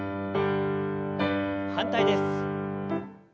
反対です。